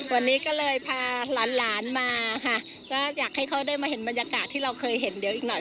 วันนี้ก็เลยพาหลานหลานมาค่ะก็อยากให้เขาได้มาเห็นบรรยากาศที่เราเคยเห็นเดี๋ยวอีกหน่อย